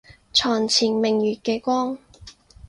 床前明月嘅光